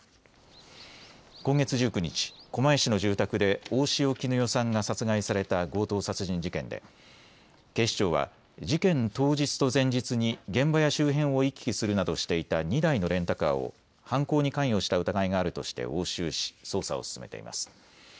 今月１９日、狛江市の住宅で大塩衣與さんが殺害された強盗殺人事件で警視庁は事件当日と前日に現場や周辺を行き来するなどしていた２台のレンタカーを犯行に関与した疑いがあるとして押収し捜査を進めています。